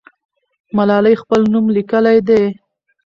ملالۍ خپل نوم لیکلی دی.